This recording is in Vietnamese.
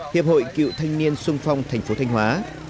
hiệp hội cựu thanh niên sung phong thành phố thanh hóa